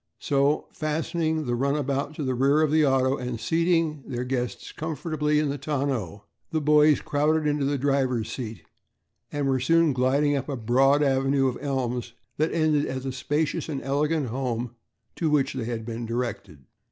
So, fastening the runabout to the rear of the auto and seating their guests comfortably in the tonneau, the boys crowded into the driver's seat and were soon gliding up a broad avenue of elms that ended at the spacious and elegant home to which they had been directed.